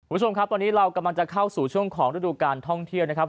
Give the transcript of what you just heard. คุณผู้ชมครับตอนนี้เรากำลังจะเข้าสู่ช่วงของฤดูการท่องเที่ยวนะครับ